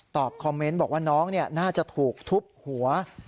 คอมเมนต์บอกว่าน้องน่าจะถูกทุบหัว